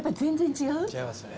違いますね。